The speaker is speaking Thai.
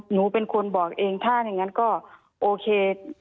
หนูเป็นคนบอกเองถ้าอย่างนั้นก็โอเค